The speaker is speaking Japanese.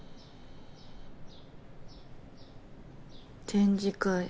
展示会